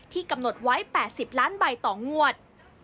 กำหนดไว้๘๐ล้านใบต่องวด